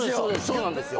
そうなんですよ。